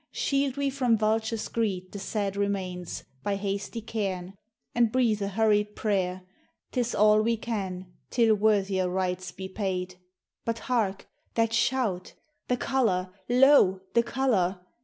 Shield we from vulture's greed the sad remains, By hasty cairn and breathe a hurried prayer 'Tis all we can till worthier rites be paid But hark! that shout! "The COLOUR! lo! the COLOUR!"